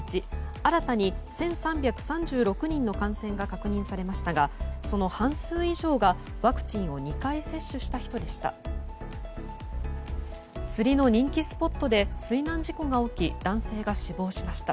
新たに１３３６人の感染が確認されましたがその半数以上がワクチンを２回接種した人でした。